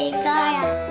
やった！